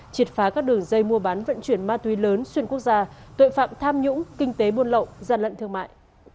triệt phá các đường dây mua bán vận chuyển ma túy lớn xuyên quốc gia tội phạm tham nhũng kinh tế buôn lậu gian lận thương mại